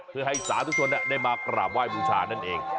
เพื่อให้สาธุชนได้มากราบไหว้บูชานั่นเอง